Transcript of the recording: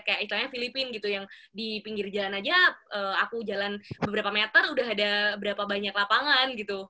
kayak istilahnya filipina gitu yang di pinggir jalan aja aku jalan beberapa meter udah ada berapa banyak lapangan gitu